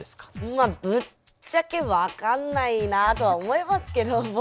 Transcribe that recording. まあぶっちゃけ分かんないなとは思いますけども。